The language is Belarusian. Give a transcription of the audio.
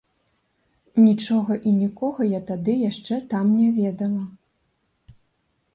Нічога і нікога я тады яшчэ там не ведала.